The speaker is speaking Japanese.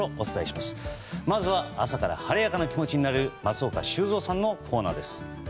まずは朝から晴れやかな気持ちになれる松岡修造さんのコーナーです。